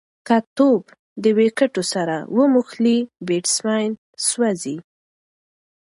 که توپ د وکټو سره وموښلي، بېټسمېن سوځي.